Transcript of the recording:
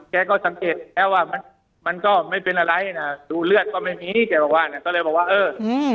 แกก็สังเกตแล้วว่ามันมันก็ไม่เป็นอะไรน่ะดูเลือดก็ไม่มีแกบอกว่าน่ะก็เลยบอกว่าเอออืม